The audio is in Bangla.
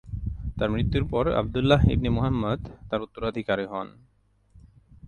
তার মৃত্যুর পর আবদুল্লাহ ইবনে মুহাম্মদ তার উত্তরাধিকারী হন।